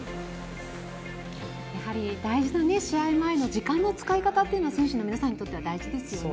やはり大事な試合前の時間の使い方というのは選手の皆さんにとっては大事ですよね。